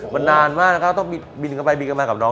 มันนานมากแล้วก็ต้องบินกลับมากับน้อง